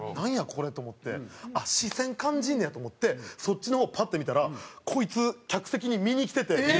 これと思ってあっ視線感じんねやと思ってそっちの方パッて見たらこいつ客席に見に来てて。